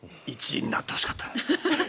１位になってほしかった。